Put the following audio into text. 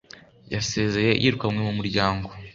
yasezeye yirukanwe mu muryango